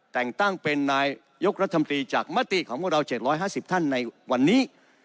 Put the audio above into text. แต่งตั้งเป็นนายยกรัฐมนตรีจากมติของพวกเรา๗๕๐ท่านในวันนี้